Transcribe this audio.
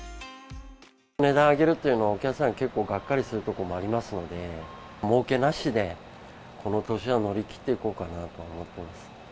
値段上げるというと、お客さん結構がっかりするところありますので、もうけなしで、この年は乗り切っていこうかなと思ってます。